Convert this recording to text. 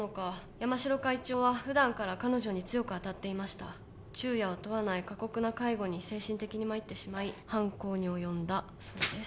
山城会長はふだんから彼女に強く当たっていました昼夜を問わない過酷な介護に精神的にまいってしまい犯行に及んだそうです